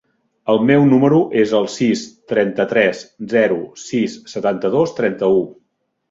El meu número es el sis, trenta-tres, zero, sis, setanta-dos, trenta-u.